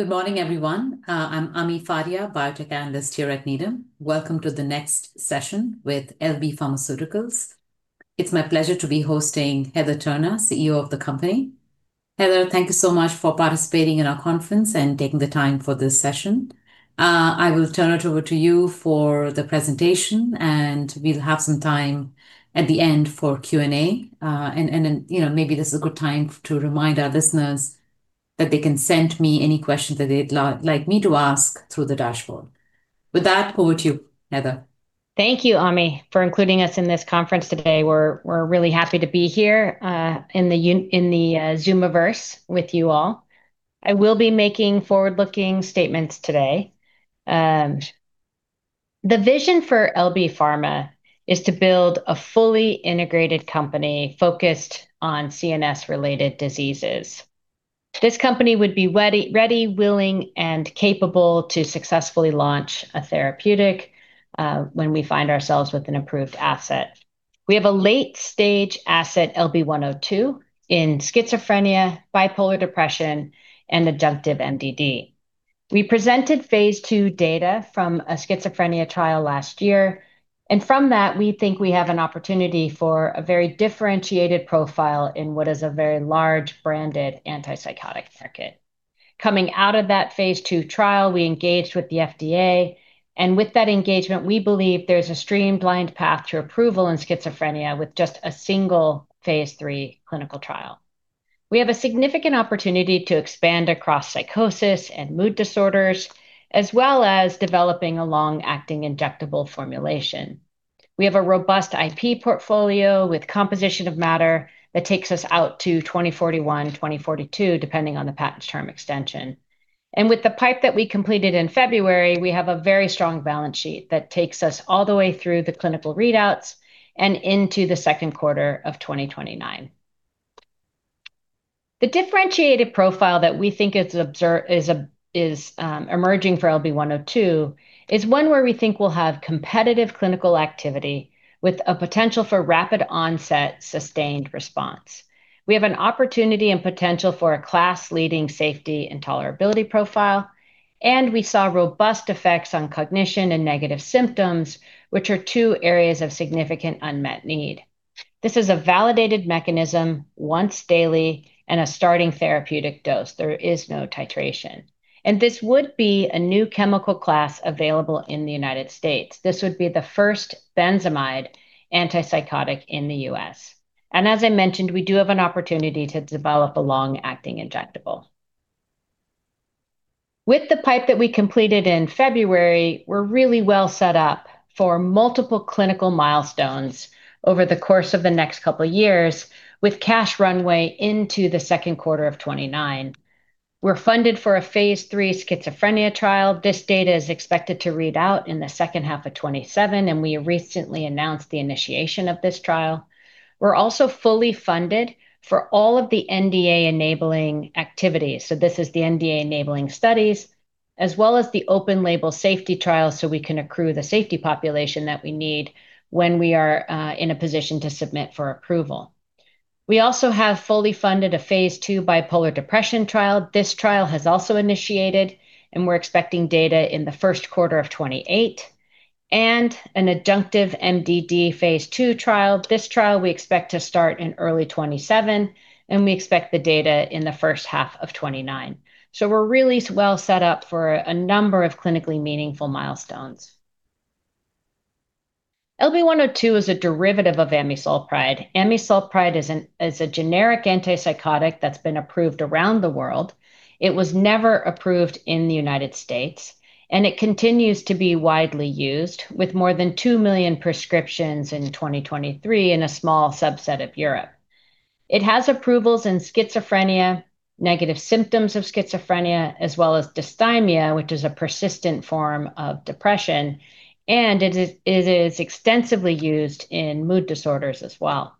Good morning, everyone. I'm Ami Fadia, biotech analyst here at Needham. Welcome to the next session with LB Pharmaceuticals. It's my pleasure to be hosting Heather Turner, CEO of the company. Heather, thank you so much for participating in our conference and taking the time for this session. I will turn it over to you for the presentation, and we'll have some time at the end for Q&A. Maybe this is a good time to remind our listeners that they can send me any questions that they'd like me to ask through the dashboard. With that, over to you, Heather. Thank you, Ami Fadia, for including us in this conference today. We're really happy to be here in the Zoomiverse with you all. I will be making forward-looking statements today. The vision for LB Pharma is to build a fully integrated company focused on CNS-related diseases. This company would be ready, willing, and capable to successfully launch a therapeutic when we find ourselves with an approved asset. We have a late-stage asset, LB-102, in schizophrenia, bipolar depression, and adjunctive MDD. We presented phase II data from a schizophrenia trial last year, and from that, we think we have an opportunity for a very differentiated profile in what is a very large branded antipsychotic circuit. Coming out of that phase II trial, we engaged with the FDA, and with that engagement, we believe there's a streamlined path to approval in schizophrenia with just a single phase III clinical trial. We have a significant opportunity to expand across psychosis and mood disorders, as well as developing a long-acting injectable formulation. We have a robust IP portfolio with composition of matter that takes us out to 2041, 2042, depending on the patent term extension. With the PIPE that we completed in February, we have a very strong balance sheet that takes us all the way through the clinical readouts and into the second quarter of 2029. The differentiated profile that we think is emerging for LB-102 is one where we think we'll have competitive clinical activity with a potential for rapid onset sustained response. We have an opportunity and potential for a class-leading safety and tolerability profile, and we saw robust effects on cognition and negative symptoms, which are two areas of significant unmet need. This is a validated mechanism, once daily, and a starting therapeutic dose. There is no titration. This would be a new chemical class available in the United States. This would be the first benzamide antipsychotic in the U.S. As I mentioned, we do have an opportunity to develop a long-acting injectable. With the PIPE that we completed in February, we're really well set up for multiple clinical milestones over the course of the next couple of years, with cash runway into the second quarter of 2029. We're funded for a phase III schizophrenia trial. This data is expected to read out in the second half of 2027, and we recently announced the initiation of this trial. We're also fully funded for all of the NDA-enabling activities. This is the NDA-enabling studies, as well as the open label safety trial, so we can accrue the safety population that we need when we are in a position to submit for approval. We also have fully funded a phase II bipolar depression trial. This trial has also initiated, and we're expecting data in the first quarter of 2028. An adjunctive MDD phase II trial. This trial we expect to start in early 2027, and we expect the data in the first half of 2029. We're really well set up for a number of clinically meaningful milestones. LB-102 is a derivative of amisulpride. Amisulpride is a generic antipsychotic that's been approved around the world. It was never approved in the United States, and it continues to be widely used, with more than 2 million prescriptions in 2023 in a small subset of Europe. It has approvals in schizophrenia, negative symptoms of schizophrenia, as well as dysthymia, which is a persistent form of depression, and it is extensively used in mood disorders as well.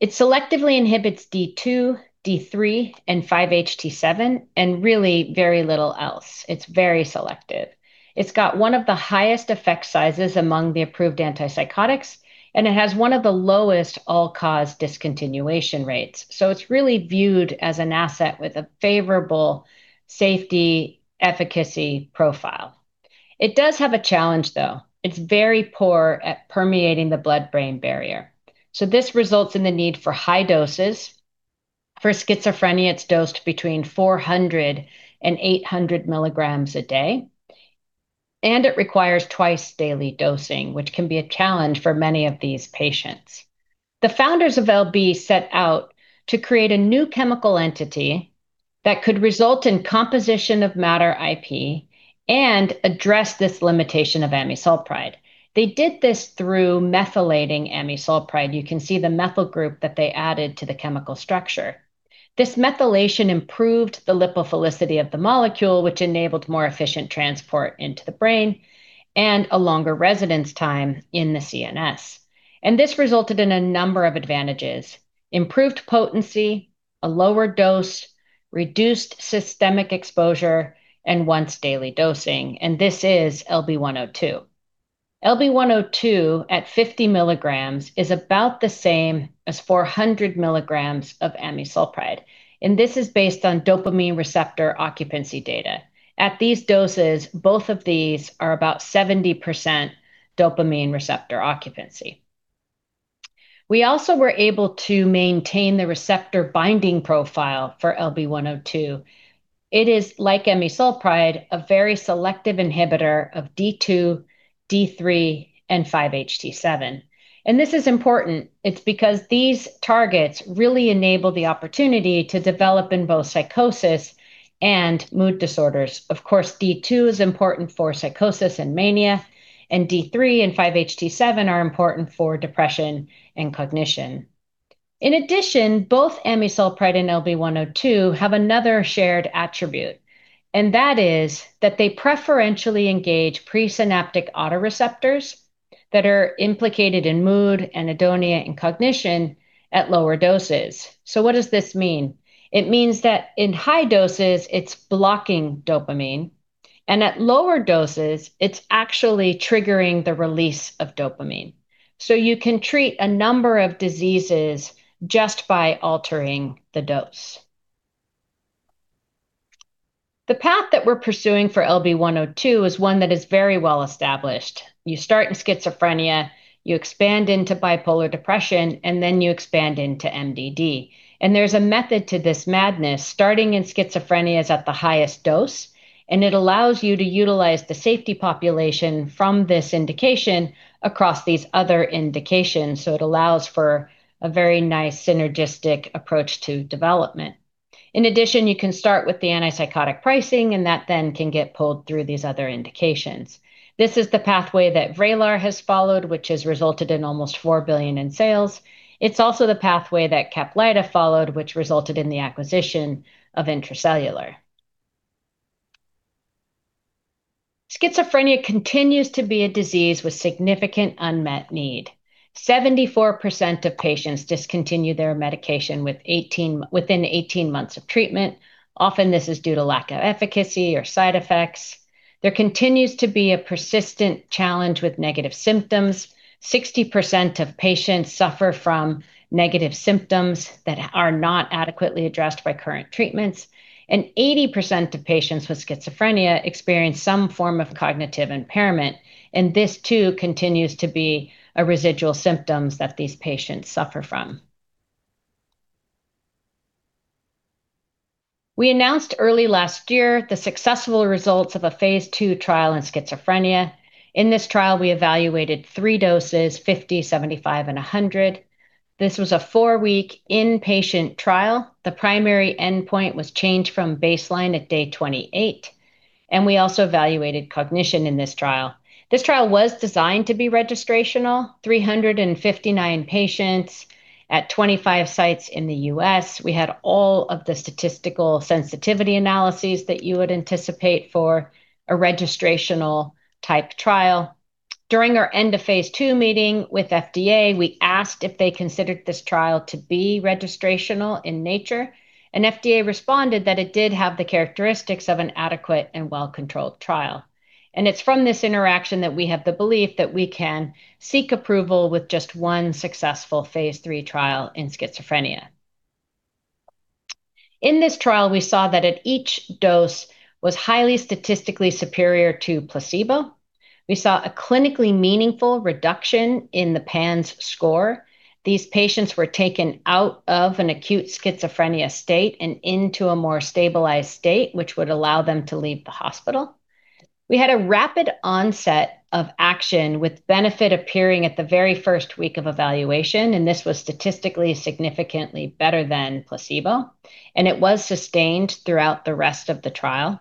It selectively inhibits D2, D3, and 5-HT7, and really very little else. It's very selective. It's got one of the highest effect sizes among the approved antipsychotics, and it has one of the lowest all-cause discontinuation rates. It's really viewed as an asset with a favorable safety efficacy profile. It does have a challenge, though. It's very poor at permeating the blood-brain barrier. This results in the need for high doses. For schizophrenia, it's dosed between 400-800 milligrams a day. It requires twice-daily dosing, which can be a challenge for many of these patients. The founders of LB set out to create a new chemical entity that could result in composition of matter IP and address this limitation of amisulpride. They did this through methylating amisulpride. You can see the methyl group that they added to the chemical structure. This methylation improved the lipophilicity of the molecule, which enabled more efficient transport into the brain and a longer residence time in the CNS. This resulted in a number of advantages, improved potency, a lower dose, reduced systemic exposure, and once-daily dosing. This is LB-102 at 50 milligrams is about the same as 400 milligrams of amisulpride, and this is based on dopamine receptor occupancy data. At these doses, both of these are about 70% dopamine receptor occupancy. We also were able to maintain the receptor binding profile for LB-102. It is, like amisulpride, a very selective inhibitor of D2, D3, and 5-HT7. This is important. It's because these targets really enable the opportunity to develop in both psychosis and mood disorders. Of course, D2 is important for psychosis and mania, and D3 and 5-HT7 are important for depression and cognition. In addition, both amisulpride and LB-102 have another shared attribute, and that is that they preferentially engage presynaptic autoreceptors that are implicated in mood, anhedonia, and cognition at lower doses. What does this mean? It means that in high doses, it's blocking dopamine, and at lower doses, it's actually triggering the release of dopamine. You can treat a number of diseases just by altering the dose. The path that we're pursuing for LB-102 is one that is very well established. You start in schizophrenia, you expand into bipolar depression, and then you expand into MDD. There's a method to this madness. Starting in schizophrenia is at the highest dose, and it allows you to utilize the safety population from this indication across these other indications. It allows for a very nice synergistic approach to development. In addition, you can start with the antipsychotic pricing, and that then can get pulled through these other indications. This is the pathway that VRAYLAR has followed, which has resulted in almost $4 billion in sales. It's also the pathway that CAPLYTA followed, which resulted in the acquisition of Intra-Cellular Therapies. Schizophrenia continues to be a disease with significant unmet need. 74% of patients discontinue their medication within 18 months of treatment. Often, this is due to lack of efficacy or side effects. There continues to be a persistent challenge with negative symptoms. 60% of patients suffer from negative symptoms that are not adequately addressed by current treatments, and 80% of patients with schizophrenia experience some form of cognitive impairment, and this too continues to be a residual symptom that these patients suffer from. We announced early last year the successful results of a phase II trial in schizophrenia. In this trial, we evaluated three doses, 50, 75, and 100. This was a 4-week inpatient trial. The primary endpoint was changed from baseline at day 28. We also evaluated cognition in this trial. This trial was designed to be registrational, 359 patients at 25 sites in the U.S. We had all of the statistical sensitivity analyses that you would anticipate for a registrational-type trial. During our end of phase II meeting with FDA, we asked if they considered this trial to be registrational in nature, and FDA responded that it did have the characteristics of an adequate and well-controlled trial. It's from this interaction that we have the belief that we can seek approval with just one successful phase III trial in schizophrenia. In this trial, we saw that each dose was highly statistically superior to placebo. We saw a clinically meaningful reduction in the PANSS score. These patients were taken out of an acute schizophrenia state and into a more stabilized state, which would allow them to leave the hospital. We had a rapid onset of action with benefit appearing at the very first week of evaluation, and this was statistically significantly better than placebo, and it was sustained throughout the rest of the trial.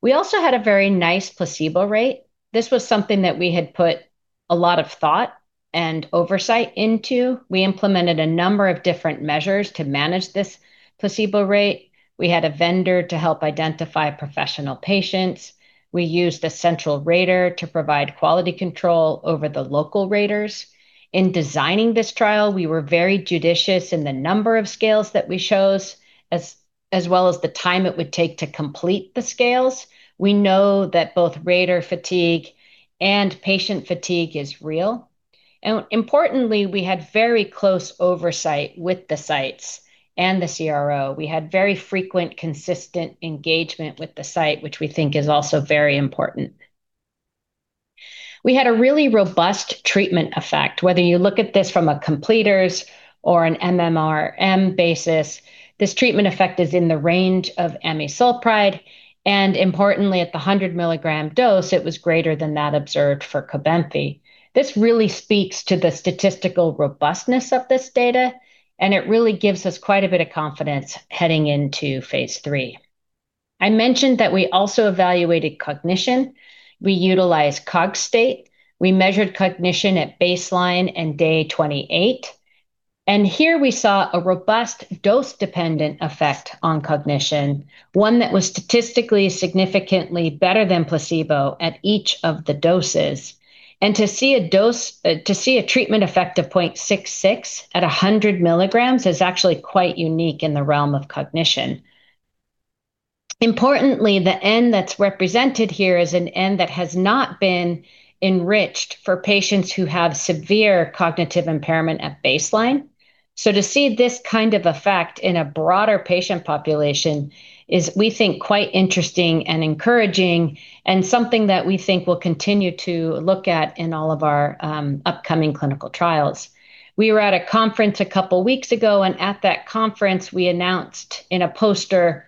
We also had a very nice placebo rate. This was something that we had put a lot of thought and oversight into. We implemented a number of different measures to manage this placebo rate. We had a vendor to help identify professional patients. We used a central rater to provide quality control over the local raters. In designing this trial, we were very judicious in the number of scales that we chose, as well as the time it would take to complete the scales. We know that both rater fatigue and patient fatigue is real. Importantly, we had very close oversight with the sites and the CRO. We had very frequent, consistent engagement with the site, which we think is also very important. We had a really robust treatment effect. Whether you look at this from a completers or an MMRM basis, this treatment effect is in the range of amisulpride, and importantly, at the 100 mg dose, it was greater than that observed for Cobenfy. This really speaks to the statistical robustness of this data, and it really gives us quite a bit of confidence heading into phase III. I mentioned that we also evaluated cognition. We utilized Cogstate. We measured cognition at baseline and day 28. Here we saw a robust dose-dependent effect on cognition, one that was statistically significantly better than placebo at each of the doses. To see a treatment effect of 0.66 at 100 mg is actually quite unique in the realm of cognition. Importantly, the endpoint that's represented here is an endpoint that has not been enriched for patients who have severe cognitive impairment at baseline. To see this kind of effect in a broader patient population is, we think, quite interesting and encouraging, and something that we think we'll continue to look at in all of our upcoming clinical trials. We were at a conference a couple of weeks ago, and at that conference, we announced in a poster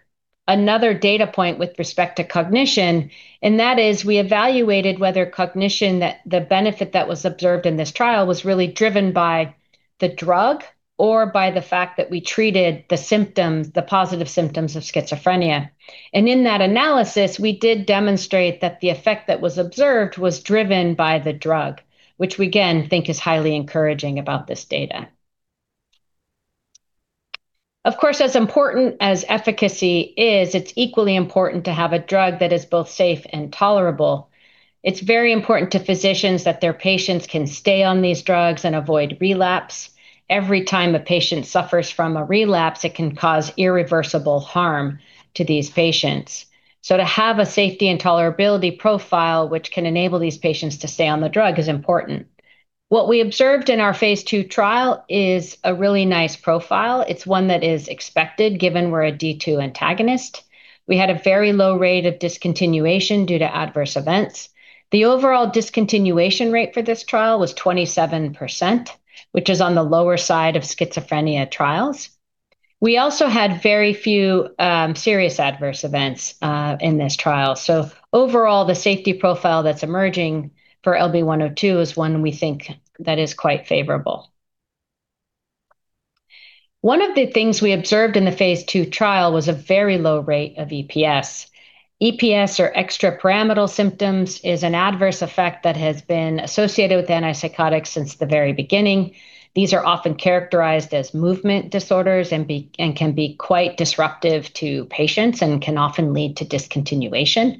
another data point with respect to cognition, and that is, we evaluated whether cognition, the benefit that was observed in this trial, was really driven by the drug or by the fact that we treated the positive symptoms of schizophrenia. In that analysis, we did demonstrate that the effect that was observed was driven by the drug, which we, again, think is highly encouraging about this data. Of course, as important as efficacy is, it's equally important to have a drug that is both safe and tolerable. It's very important to physicians that their patients can stay on these drugs and avoid relapse. Every time a patient suffers from a relapse, it can cause irreversible harm to these patients. To have a safety and tolerability profile which can enable these patients to stay on the drug is important. What we observed in our phase II trial is a really nice profile. It's one that is expected given we're a D2 antagonist. We had a very low rate of discontinuation due to adverse events. The overall discontinuation rate for this trial was 27%, which is on the lower side of schizophrenia trials. We also had very few serious adverse events in this trial. Overall, the safety profile that's emerging for LB-102 is one we think that is quite favorable. One of the things we observed in the phase II trial was a very low rate of EPS. EPS, or extrapyramidal symptoms, is an adverse effect that has been associated with antipsychotics since the very beginning. These are often characterized as movement disorders and can be quite disruptive to patients and can often lead to discontinuation.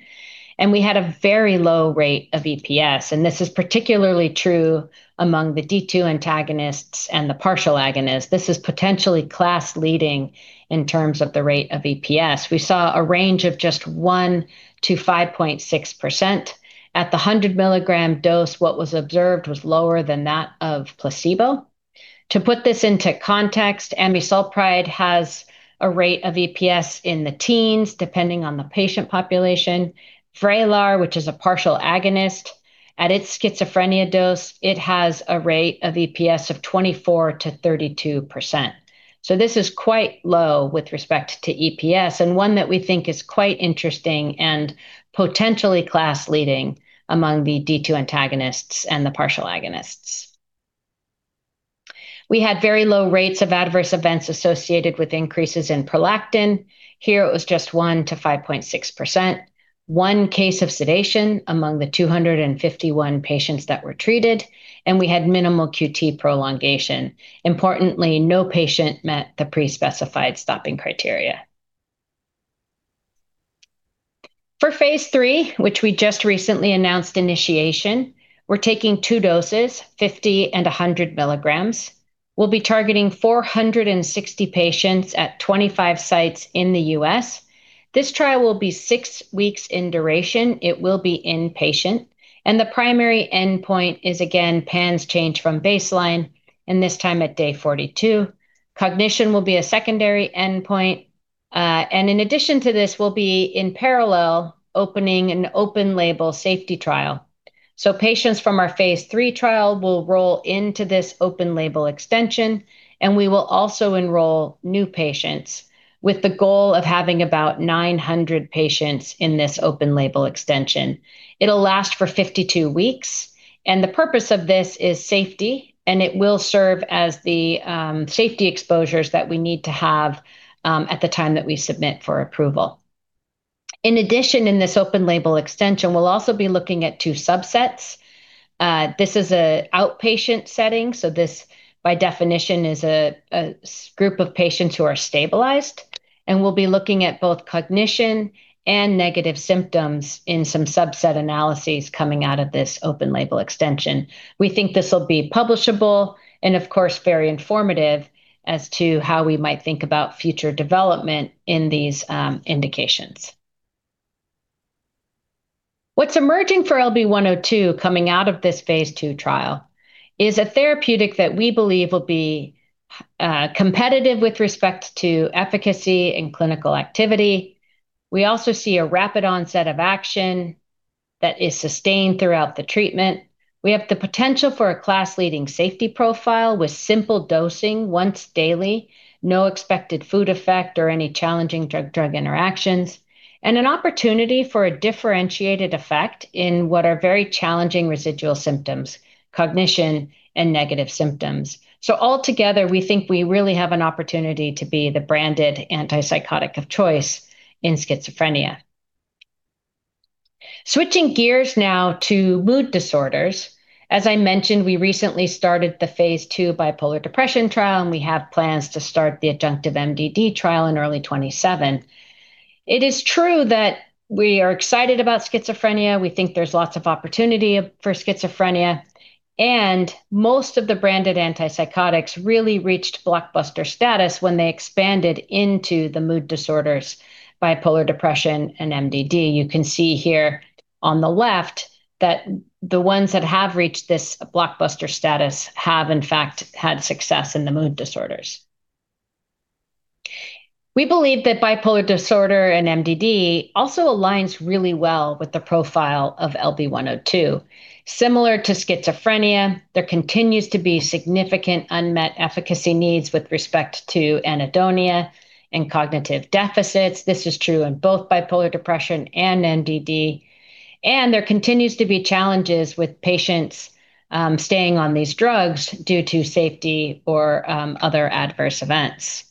We had a very low rate of EPS, and this is particularly true among the D2 antagonists and the partial agonist. This is potentially class-leading in terms of the rate of EPS. We saw a range of just 1%-5.6%. At the 100-mg dose, what was observed was lower than that of placebo. To put this into context, amisulpride has a rate of EPS in the teens, depending on the patient population. VRAYLAR, which is a partial agonist, at its schizophrenia dose, it has a rate of EPS of 24%-32%. This is quite low with respect to EPS, and one that we think is quite interesting and potentially class-leading among the D2 antagonists and the partial agonists. We had very low rates of adverse events associated with increases in prolactin. Here it was just 1%-5.6%. One case of sedation among the 251 patients that were treated, and we had minimal QT prolongation. Importantly, no patient met the pre-specified stopping criteria. For phase III, which we just recently announced initiation, we're taking two doses, 50 and 100 milligrams. We'll be targeting 460 patients at 25 sites in the U.S. This trial will be six weeks in duration. It will be inpatient. The primary endpoint is, again, PANSS change from baseline, and this time at day 42. Cognition will be a secondary endpoint. In addition to this, we'll be in parallel opening an open-label safety trial. Patients from our phase III trial will roll into this open-label extension, and we will also enroll new patients with the goal of having about 900 patients in this open-label extension. It'll last for 52 weeks, and the purpose of this is safety, and it will serve as the safety exposures that we need to have at the time that we submit for approval. In addition, in this open-label extension, we'll also be looking at two subsets. This is an outpatient setting, so this by definition is a group of patients who are stabilized, and we'll be looking at both cognition and negative symptoms in some subset analyses coming out of this open-label extension. We think this will be publishable and of course very informative as to how we might think about future development in these indications. What's emerging for LB-102 coming out of this phase II trial is a therapeutic that we believe will be competitive with respect to efficacy and clinical activity. We also see a rapid onset of action that is sustained throughout the treatment. We have the potential for a class-leading safety profile with simple dosing once daily, no expected food effect or any challenging drug-drug interactions, and an opportunity for a differentiated effect in what are very challenging residual symptoms, cognition and negative symptoms. Altogether, we think we really have an opportunity to be the branded antipsychotic of choice in schizophrenia. Switching gears now to mood disorders. As I mentioned, we recently started the phase II bipolar depression trial, and we have plans to start the adjunctive MDD trial in early 2027. It is true that we are excited about schizophrenia. We think there's lots of opportunity for schizophrenia, and most of the branded antipsychotics really reached blockbuster status when they expanded into the mood disorders, bipolar depression, and MDD. You can see here on the left, that the ones that have reached this blockbuster status have, in fact, had success in the mood disorders. We believe that bipolar disorder and MDD also aligns really well with the profile of LB-102. Similar to schizophrenia, there continues to be significant unmet efficacy needs with respect to anhedonia and cognitive deficits. This is true in both bipolar depression and MDD. There continues to be challenges with patients staying on these drugs due to safety or other adverse events.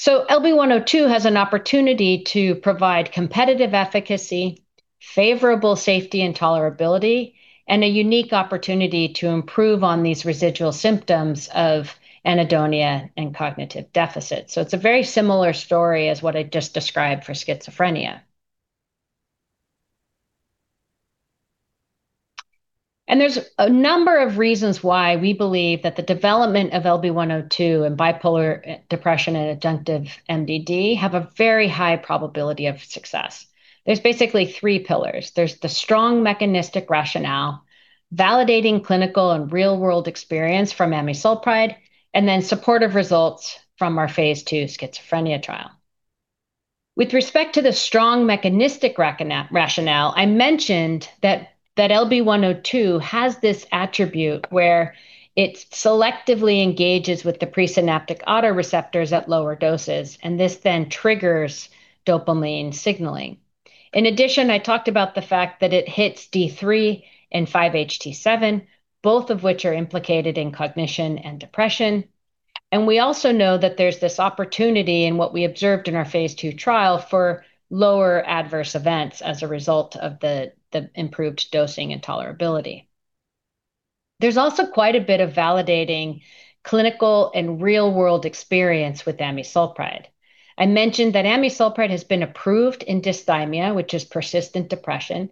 LB-102 has an opportunity to provide competitive efficacy, favorable safety and tolerability, and a unique opportunity to improve on these residual symptoms of anhedonia and cognitive deficits. It's a very similar story as what I just described for schizophrenia. There's a number of reasons why we believe that the development of LB-102 in bipolar depression and adjunctive MDD have a very high probability of success. There's basically three pillars. There's the strong mechanistic rationale, validating clinical and real-world experience from amisulpride, and then supportive results from our phase II schizophrenia trial. With respect to the strong mechanistic rationale, I mentioned that LB-102 has this attribute where it selectively engages with the presynaptic autoreceptors at lower doses, and this then triggers dopamine signaling. In addition, I talked about the fact that it hits D3 and 5-HT7, both of which are implicated in cognition and depression. We also know that there's this opportunity in what we observed in our phase II trial for lower adverse events as a result of the improved dosing and tolerability. There's also quite a bit of validating clinical and real-world experience with amisulpride. I mentioned that amisulpride has been approved in dysthymia, which is persistent depression,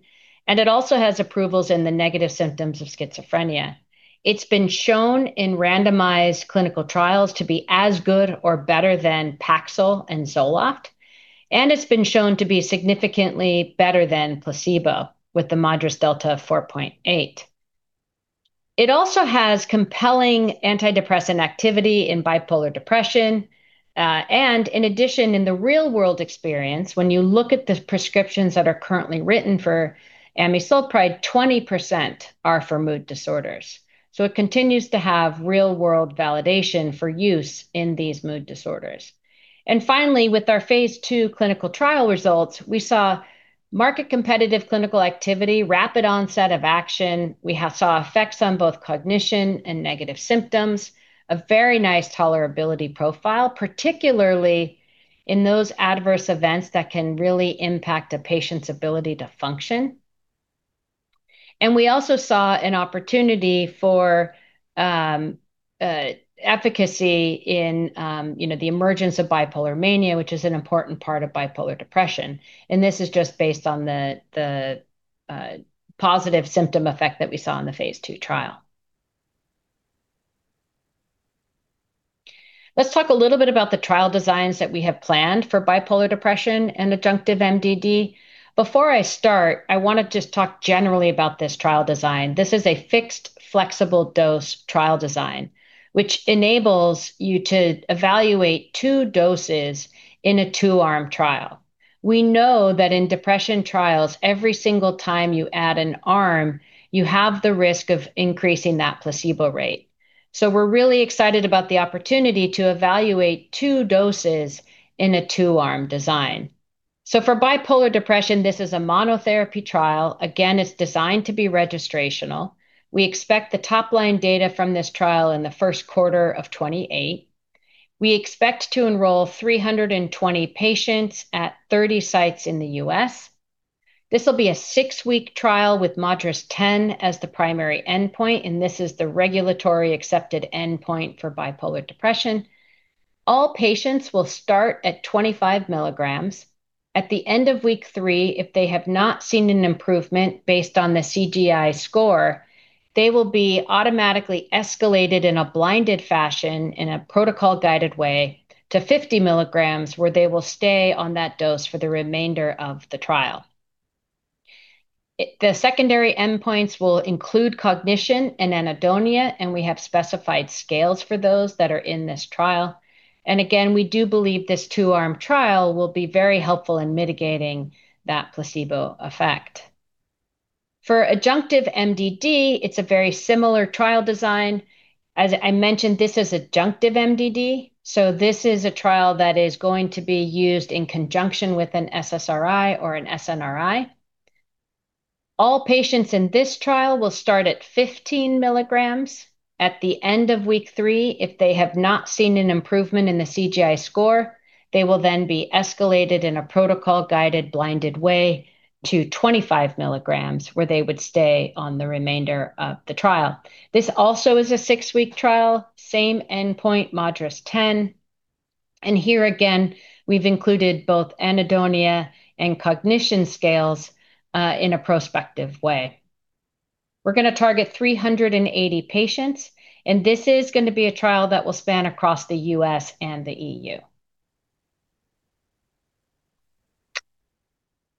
and it also has approvals in the negative symptoms of schizophrenia. It's been shown in randomized clinical trials to be as good or better than Paxil and Zoloft, and it's been shown to be significantly better than placebo with the MADRS delta of 4.8. It also has compelling antidepressant activity in bipolar depression. In addition, in the real-world experience, when you look at the prescriptions that are currently written for amisulpride, 20% are for mood disorders. It continues to have real-world validation for use in these mood disorders. Finally, with our phase II clinical trial results, we saw market competitive clinical activity, rapid onset of action. We saw effects on both cognition and negative symptoms. A very nice tolerability profile, particularly in those adverse events that can really impact a patient's ability to function. We also saw an opportunity for efficacy in the emergence of bipolar mania, which is an important part of bipolar depression. This is just based on the positive symptom effect that we saw in the phase II trial. Let's talk a little bit about the trial designs that we have planned for bipolar depression and adjunctive MDD. Before I start, I want to just talk generally about this trial design. This is a fixed flexible dose trial design, which enables you to evaluate two doses in a two-arm trial. We know that in depression trials, every single time you add an arm, you have the risk of increasing that placebo rate. We're really excited about the opportunity to evaluate two doses in a two-arm design. For bipolar depression, this is a monotherapy trial. Again, it's designed to be registrational. We expect the top-line data from this trial in the first quarter of 2028. We expect to enroll 320 patients at 30 sites in the U.S. This will be a six-week trial with MADRS-10 as the primary endpoint, and this is the regulatory accepted endpoint for bipolar depression. All patients will start at 25 mg. At the end of week three, if they have not seen an improvement based on the CGI score, they will be automatically escalated in a blinded fashion in a protocol-guided way to 50 mg, where they will stay on that dose for the remainder of the trial. The secondary endpoints will include cognition and anhedonia, and we have specified scales for those that are in this trial. Again, we do believe this two-arm trial will be very helpful in mitigating that placebo effect. For adjunctive MDD, it's a very similar trial design. As I mentioned, this is adjunctive MDD, so this is a trial that is going to be used in conjunction with an SSRI or an SNRI. All patients in this trial will start at 15 mg. At the end of week three, if they have not seen an improvement in the CGI score, they will then be escalated in a protocol-guided, blinded way to 25 mg, where they would stay on the remainder of the trial. This also is a six-week trial, same endpoint, MADRS-10. Here again, we've included both anhedonia and cognition scales in a prospective way. We're going to target 380 patients, and this is going to be a trial that will span across the U.S. and the EU.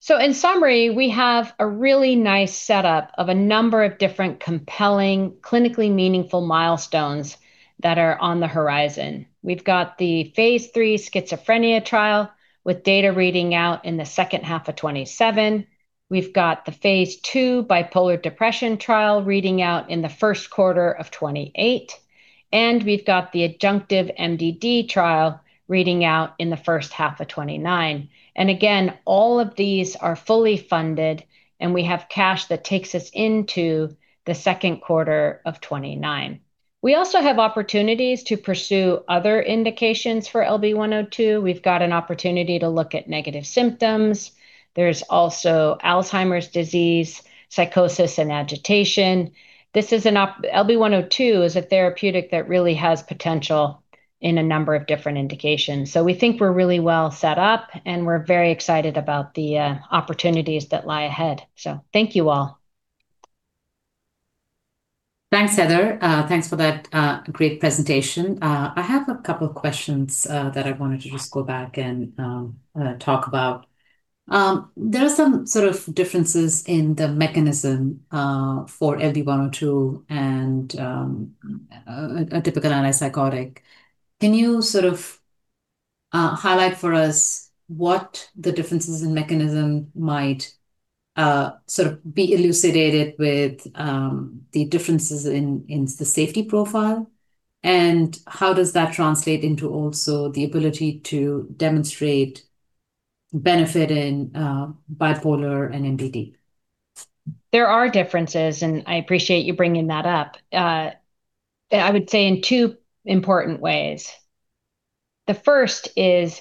In summary, we have a really nice setup of a number of different compelling, clinically meaningful milestones that are on the horizon. We've got the phase III schizophrenia trial with data reading out in the second half of 2027. We've got the phase II bipolar depression trial reading out in the first quarter of 2028. We've got the adjunctive MDD trial reading out in the first half of 2029. Again, all of these are fully funded, and we have cash that takes us into the second quarter of 2029. We also have opportunities to pursue other indications for LB-102. We've got an opportunity to look at negative symptoms. There's also Alzheimer's disease, psychosis, and agitation. LB-102 is a therapeutic that really has potential in a number of different indications. We think we're really well set up, and we're very excited about the opportunities that lie ahead. Thank you all. Thanks, Heather. Thanks for that great presentation. I have a couple of questions that I wanted to just go back and talk about. There are some sort of differences in the mechanism for LB-102 and a typical antipsychotic. Can you sort of highlight for us what the differences in mechanism might be elucidated with the differences in the safety profile, and how does that translate into also the ability to demonstrate benefit in bipolar and MDD? There are differences, and I appreciate you bringing that up. I would say in two important ways. The first is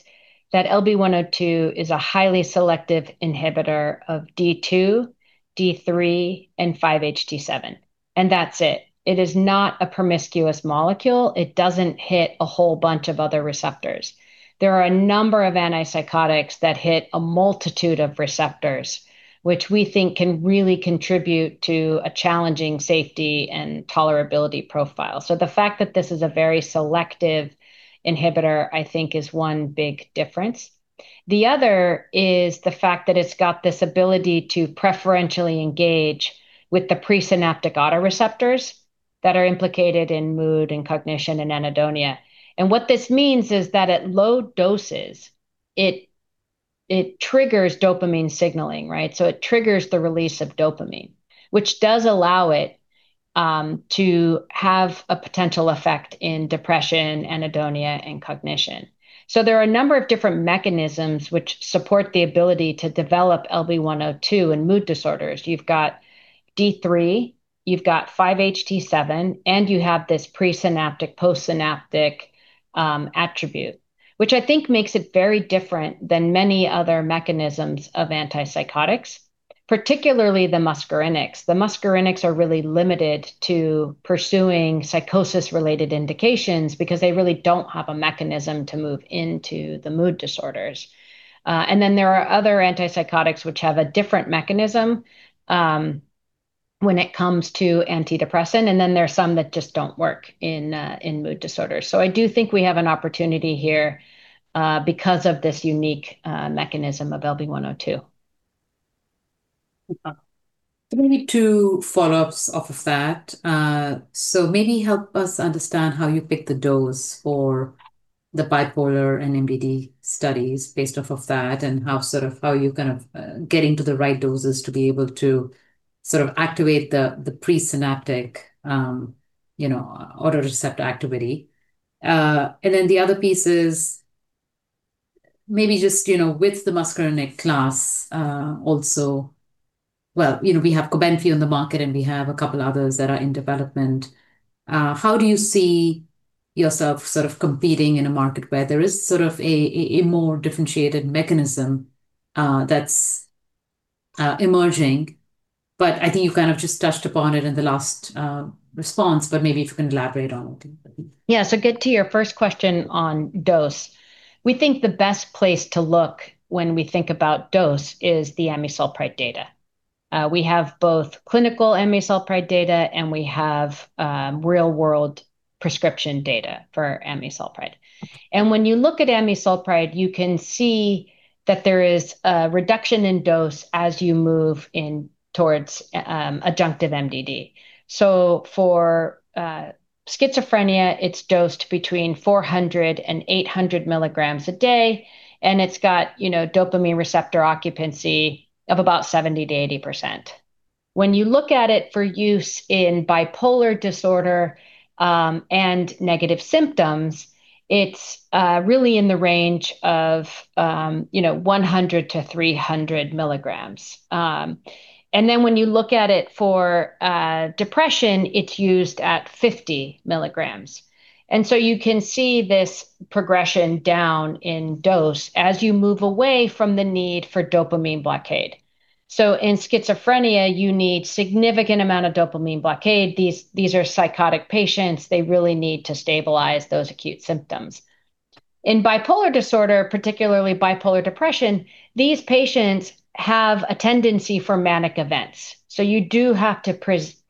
that LB-102 is a highly selective inhibitor of D2, D3, and 5-HT7, and that's it. It is not a promiscuous molecule. It doesn't hit a whole bunch of other receptors. There are a number of antipsychotics that hit a multitude of receptors, which we think can really contribute to a challenging safety and tolerability profile. So the fact that this is a very selective inhibitor, I think, is one big difference. The other is the fact that it's got this ability to preferentially engage with the presynaptic autoreceptors that are implicated in mood and cognition and anhedonia. What this means is that at low doses, it triggers dopamine signaling, right? It triggers the release of dopamine, which does allow it to have a potential effect in depression, anhedonia, and cognition. There are a number of different mechanisms which support the ability to develop LB-102 in mood disorders. You've got D3, you've got 5-HT7, and you have this presynaptic, postsynaptic attribute, which I think makes it very different than many other mechanisms of antipsychotics, particularly the muscarinics. The muscarinics are really limited to pursuing psychosis-related indications because they really don't have a mechanism to move into the mood disorders. Then there are other antipsychotics which have a different mechanism when it comes to antidepressant, and then there are some that just don't work in mood disorders. I do think we have an opportunity here because of this unique mechanism of LB-102. Maybe two follow-ups off of that. Maybe help us understand how you pick the dose for the bipolar and MDD studies based off of that, and how you're kind of getting to the right doses to be able to sort of activate the presynaptic autoreceptor activity. The other piece is maybe just with the muscarinic class also. Well, we have Cobenfy in the market, and we have a couple others that are in development. How do you see yourself sort of competing in a market where there is sort of a more differentiated mechanism that's emerging? I think you kind of just touched upon it in the last response, but maybe if you can elaborate on it. Yeah. Get to your first question on dose. We think the best place to look when we think about dose is the amisulpride data. We have both clinical amisulpride data, and we have real-world prescription data for amisulpride. When you look at amisulpride, you can see that there is a reduction in dose as you move in towards adjunctive MDD. For schizophrenia, it's dosed between 400-800 milligrams a day, and it's got dopamine receptor occupancy of about 70%-80%. When you look at it for use in bipolar disorder and negative symptoms, it's really in the range of 100-300 milligrams. Then when you look at it for depression, it's used at 50 milligrams. You can see this progression down in dose as you move away from the need for dopamine blockade. In schizophrenia, you need significant amount of dopamine blockade. These are psychotic patients. They really need to stabilize those acute symptoms. In bipolar disorder, particularly bipolar depression, these patients have a tendency for manic events. You do have to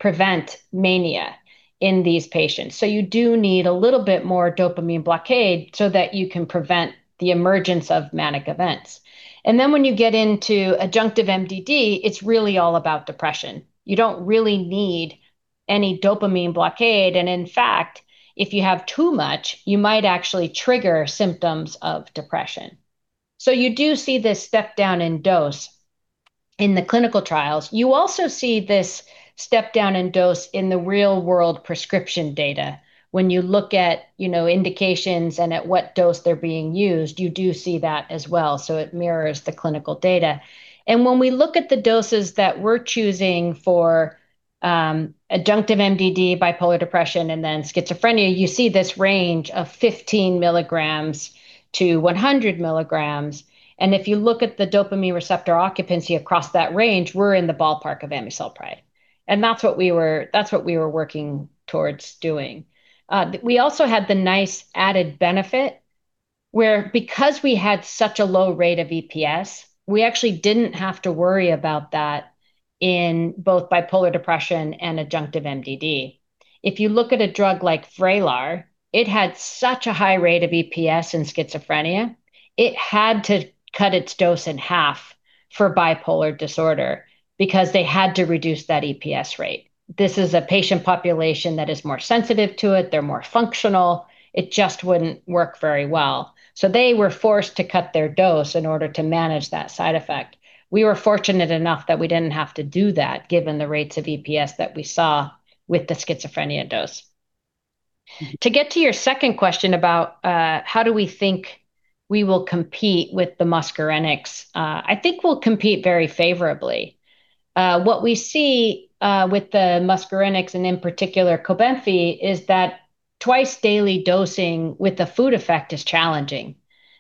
prevent mania in these patients. You do need a little bit more dopamine blockade so that you can prevent the emergence of manic events. When you get into adjunctive MDD, it's really all about depression. You don't really need any dopamine blockade, and in fact, if you have too much, you might actually trigger symptoms of depression. You do see this step-down in dose in the clinical trials. You also see this step-down in dose in the real-world prescription data. When you look at indications and at what dose they're being used, you do see that as well, so it mirrors the clinical data. When we look at the doses that we're choosing for adjunctive MDD, bipolar depression, and then schizophrenia, you see this range of 15-100 milligrams, and if you look at the dopamine receptor occupancy across that range, we're in the ballpark of amisulpride, and that's what we were working towards doing. We also had the nice added benefit where because we had such a low rate of EPS, we actually didn't have to worry about that in both bipolar depression and adjunctive MDD. If you look at a drug like VRAYLAR, it had such a high rate of EPS in schizophrenia, it had to cut its dose in half for bipolar disorder because they had to reduce that EPS rate. This is a patient population that is more sensitive to it. They're more functional. It just wouldn't work very well. They were forced to cut their dose in order to manage that side effect. We were fortunate enough that we didn't have to do that given the rates of EPS that we saw with the schizophrenia dose. To get to your second question about how do we think we will compete with the muscarinics? I think we'll compete very favorably. What we see with the muscarinics, and in particular Cobenfy, is that twice-daily dosing with the food effect is challenging.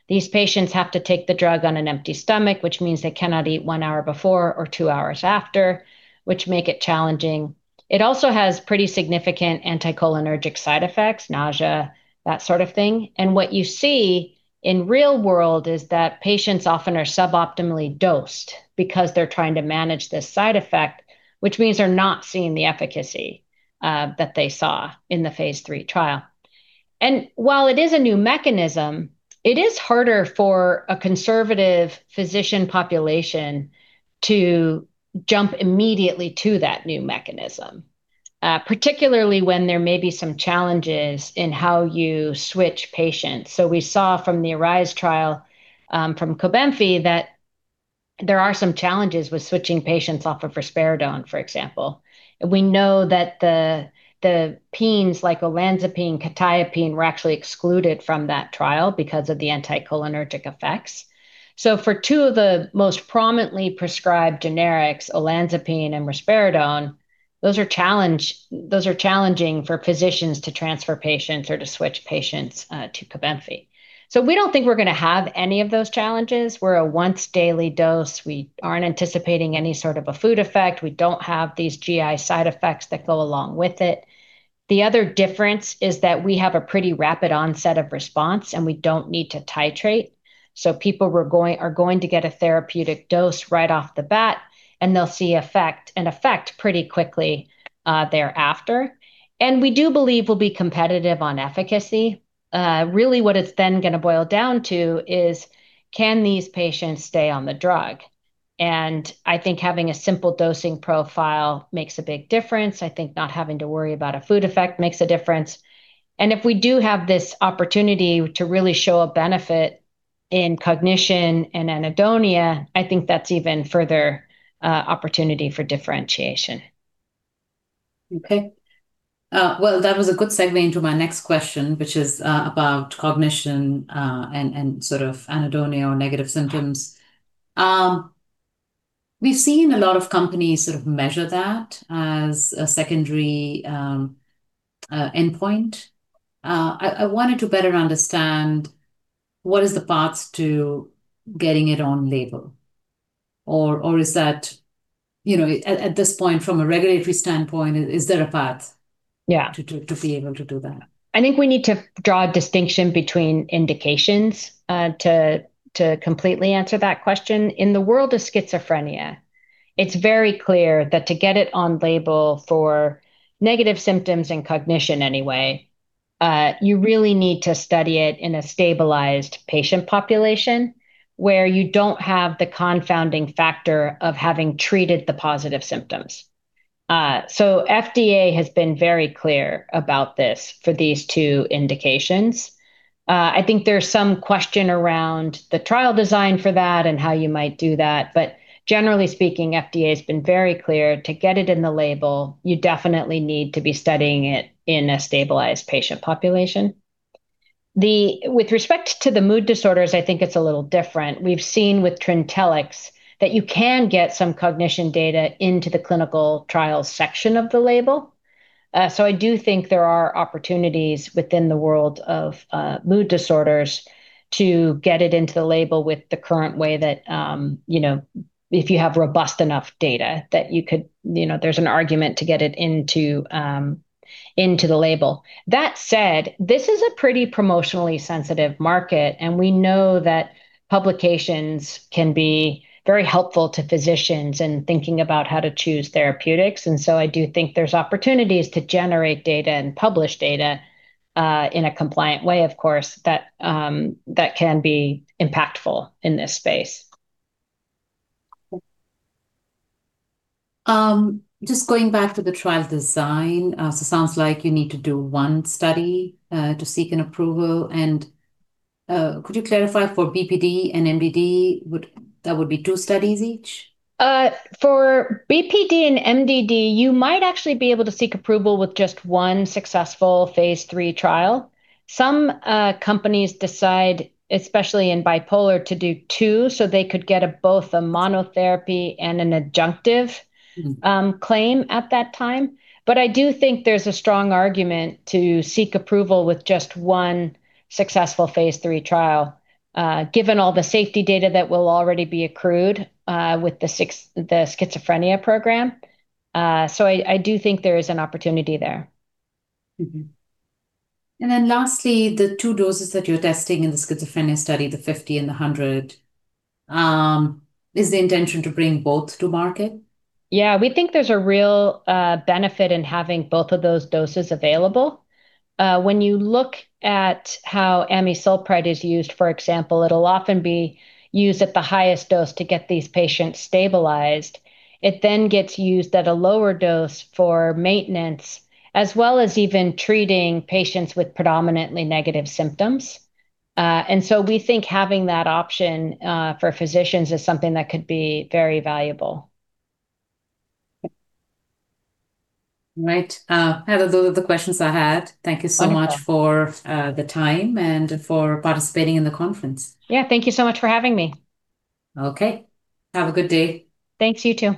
These patients have to take the drug on an empty stomach, which means they cannot eat one hour before or two hours after, which make it challenging. It also has pretty significant anticholinergic side effects, nausea, that sort of thing. What you see in real-world is that patients often are suboptimally dosed because they're trying to manage this side effect, which means they're not seeing the efficacy that they saw in the phase III trial. While it is a new mechanism, it is harder for a conservative physician population to jump immediately to that new mechanism, particularly when there may be some challenges in how you switch patients. We saw from the ARISE trial, from Cobenfy, that there are some challenges with switching patients off of risperidone, for example. We know that the pines, like olanzapine, quetiapine, were actually excluded from that trial because of the anticholinergic effects. For two of the most prominently prescribed generics, olanzapine and risperidone, those are challenging for physicians to transfer patients or to switch patients to Cobenfy. We don't think we're going to have any of those challenges. We're a once daily dose. We aren't anticipating any sort of a food effect. We don't have these GI side effects that go along with it. The other difference is that we have a pretty rapid onset of response, and we don't need to titrate. People are going to get a therapeutic dose right off the bat, and they'll see effect pretty quickly thereafter. We do believe we'll be competitive on efficacy. Really what it's then going to boil down to is, can these patients stay on the drug? I think having a simple dosing profile makes a big difference. I think not having to worry about a food effect makes a difference. If we do have this opportunity to really show a benefit in cognition and anhedonia, I think that's even further opportunity for differentiation. Okay. Well, that was a good segue into my next question, which is about cognition, and anhedonia or negative symptoms. We've seen a lot of companies sort of measure that as a secondary endpoint. I wanted to better understand what is the path to getting it on label. Or is that, at this point, from a regulatory standpoint, is there a path? Yeah to be able to do that? I think we need to draw a distinction between indications to completely answer that question. In the world of schizophrenia, it's very clear that to get it on label for negative symptoms and cognition, anyway, you really need to study it in a stabilized patient population where you don't have the confounding factor of having treated the positive symptoms. FDA has been very clear about this for these two indications. I think there's some question around the trial design for that and how you might do that. Generally speaking, FDA's been very clear. To get it in the label, you definitely need to be studying it in a stabilized patient population. With respect to the mood disorders, I think it's a little different. We've seen with Trintellix that you can get some cognition data into the clinical trials section of the label. I do think there are opportunities within the world of mood disorders to get it into the label with the current way that if you have robust enough data, that there's an argument to get it into the label. That said, this is a pretty promotionally sensitive market, and we know that publications can be very helpful to physicians in thinking about how to choose therapeutics. I do think there's opportunities to generate data and publish data, in a compliant way of course, that can be impactful in this space. Just going back to the trial design, so sounds like you need to do one study to seek an approval. Could you clarify, for BPD and MDD, that would be two studies each? For BPD and MDD, you might actually be able to seek approval with just one successful phase III trial. Some companies decide, especially in bipolar, to do two, so they could get both a monotherapy and an adjunctive claim at that time. But I do think there's a strong argument to seek approval with just one successful phase III trial, given all the safety data that will already be accrued with the schizophrenia program. I do think there is an opportunity there. Lastly, the two doses that you're testing in the schizophrenia study, the 50 and 100. Is the intention to bring both to market? Yeah. We think there's a real benefit in having both of those doses available. When you look at how amisulpride is used, for example, it'll often be used at the highest dose to get these patients stabilized. It then gets used at a lower dose for maintenance, as well as even treating patients with predominantly negative symptoms. We think having that option for physicians is something that could be very valuable. Right. Heather, those are the questions I had. Thank you so much for. Thank you for the time and for participating in the conference. Yeah. Thank you so much for having me. Okay. Have a good day. Thanks. You too.